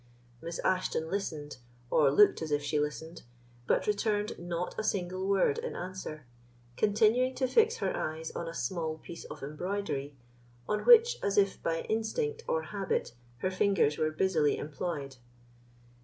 Miss Ashton listened, or looked as if she listened, but returned not a single word in answer, continuing to fix her eyes on a small piece of embroidery on which, as if by instinct or habit, her fingers were busily employed.